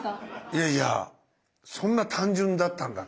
いやいやそんな単純だったんだ。